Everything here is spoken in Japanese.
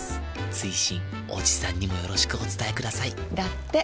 追伸おじさんにもよろしくお伝えくださいだって。